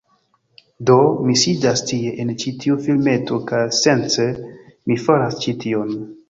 Do, mi sidas tie, en ĉi tiu filmeto, kaj, sence mi faras ĉi tion...